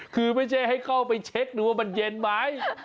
คือไม่ใช่ให้เข้าไปเช็คดูว่ามันเย็นไหม